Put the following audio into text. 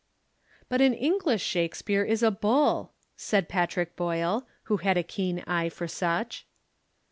"But an English Shakespeare is a bull," said Patrick Boyle, who had a keen eye for such.